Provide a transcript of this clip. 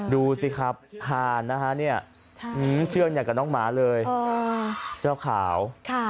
ดูสิครับห่านเชื่อนอย่างกับน้องม้าเลยเจ้าขาว